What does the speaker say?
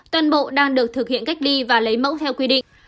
toàn bộ đang được thực hiện cách ly và lấy mẫu theo quy định